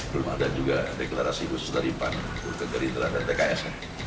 belum ada juga deklarasi khusus dari pan untuk kegeri terhadap tks